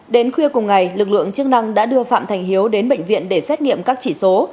đến khuya cùng ngày lực lượng chức năng đã đưa phạm thành hiếu đến bệnh viện để xét nghiệm các chỉ số